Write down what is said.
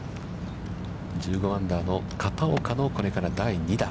１５アンダーの片岡のこれから第２打。